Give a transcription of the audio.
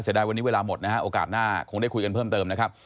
ได้วันนี้เวลาหมดนะฮะโอกาสหน้าคงได้คุยกันเพิ่มเติมนะครับ